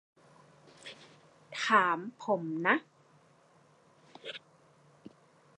ถามผมนะ